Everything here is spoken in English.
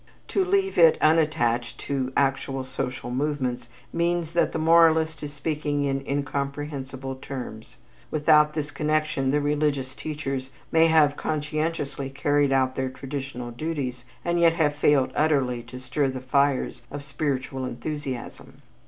To leave it unattached to actual social movements means that the moralist is speaking in incomprehensible terms. Without this connection, the religious teachers may have conscientiously carried out their traditional duties and yet have failed utterly to stir the fires of spiritual enthusiasm.